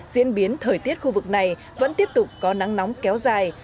diễn biến thời tiết khu vực này vẫn tiếp tục có nắng nóng kéo dài